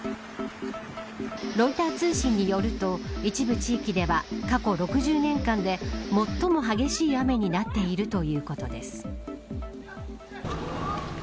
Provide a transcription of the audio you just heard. ロイター通信によると一部地域では、過去６０年間で最も激しい雨になっているということです。